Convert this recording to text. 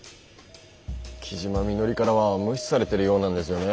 木嶋みのりからは無視されてるようなんですよね。